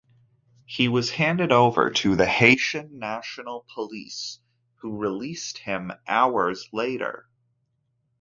He was handed over to the Haitian National Police, who released him hours later.